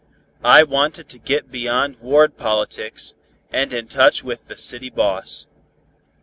I wanted to get beyond ward politics, and in touch with the city boss.